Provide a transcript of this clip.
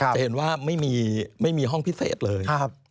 จะเห็นว่าไม่มีห้องพิเศษเลย